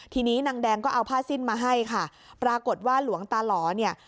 ทีนี้นางแดงก็เอาผ้าสิ้นมาให้ค่ะปรากฏว่าหลวงตาหล่อเนี่ย